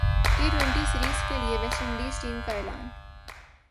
T twenty series کیلئے West Indian team کااعلان